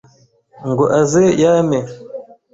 Ngo aze yame